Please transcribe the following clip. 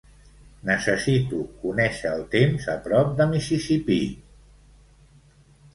Necessito conèixer el temps a prop de Mississipí